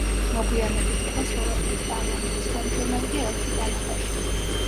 მოგვიანებით იყო სლოვაკიის პარლამენტის თავმჯდომარე და ელჩი კანადაში.